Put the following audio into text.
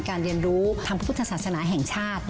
เรียนรู้ทางพระพุทธศาสนาแห่งชาติ